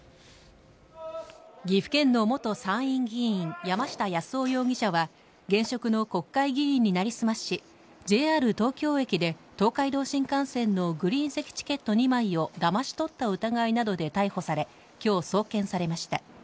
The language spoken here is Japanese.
岐阜県の元参院議員、山下八洲夫容疑者は現職の国会議員に成り済まし、ＪＲ東京駅で、東海道新幹線のグリーン席チケット２枚をだまし取った疑いなどで逮捕され、きょう送検されました。